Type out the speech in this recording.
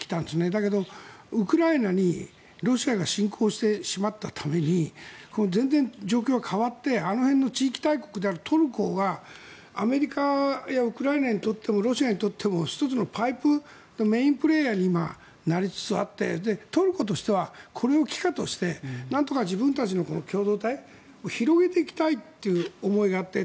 だけど、ウクライナにロシアが侵攻してしまったために全然状況が変わってあの辺の地域大国であるトルコがアメリカやウクライナにとってもロシアにとっても１つのパイプメインプレーヤーになりつつあってトルコとしてはこれを奇貨としてなんとか自分たちの共同体を広げていきたいという思いがあって。